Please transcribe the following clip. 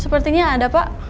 sepertinya ada pak